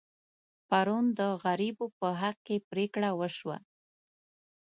پرون د غریبو په حق کې پرېکړه وشوه.